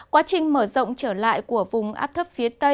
quá trình mở rộng trở lại của vùng áp thấp phía đông bắc bộ